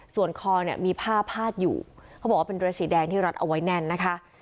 ส่วนคอเนี่ยมีผ้าพาดอยู่เขาบอกว่าเป็นเรือสีแดงที่รัดเอาไว้แน่นนะคะ